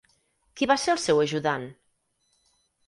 Qui va ser el seu ajudant?